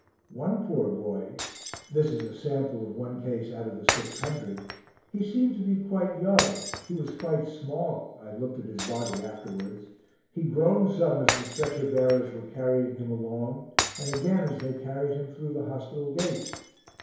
One poor boy this is a sample of one case out of the 600 he seemed to be quite young, he was quite small (I looked at his body afterwards), he groaned some as the stretcher bearers were carrying him along, and again as they carried him through the hospital gate.